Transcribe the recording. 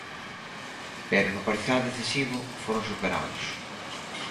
Pero no parcial decisivo foron superados.